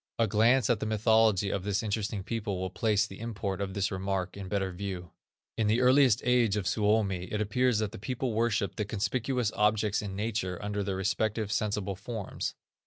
A glance at the mythology of this interesting people will place the import of this remark in better view. In the earliest age of Suomi, it appears that the people worshiped the conspicuous objects in nature under their respective, sensible forms.